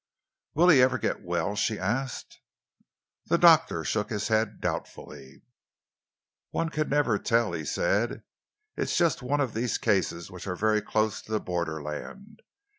"Will he ever get well?" she asked. The doctor shook his head doubtfully. "One can never tell," he said. "It is just one of these cases which are very close to the borderland.